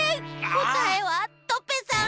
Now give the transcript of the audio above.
こたえはトペさん。